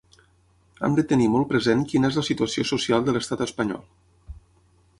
Hem de tenir molt present quina és la situació social de l’estat espanyol.